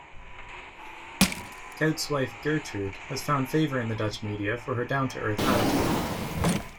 Kuyt's wife Gertrude has found favour in the Dutch media for her down-to-earth attitude.